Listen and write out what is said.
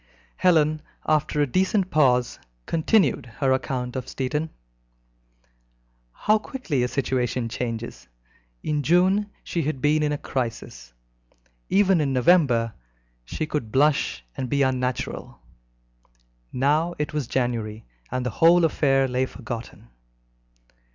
Helen, after a decent pause, continued her account of Stettin. How quickly a situation changes! In June she had been in a crisis; even in November she could blush and be unnatural; now it was January, and the whole affair lay forgotten.